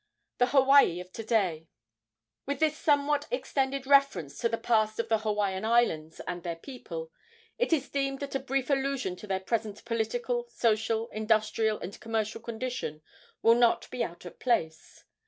THE HAWAII OF TO DAY. With this somewhat extended reference to the past of the Hawaiian Islands and their people, it is deemed that a brief allusion to their present political, social, industrial and commercial condition will not be out of place.